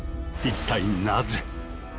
一体なぜ？